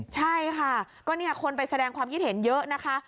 ใช่ค่ะก็เนี่ยคนไปแสดงความคิดเห็นเยอะนะคะ